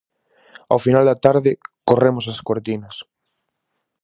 Ao final da tarde corremos as cortinas.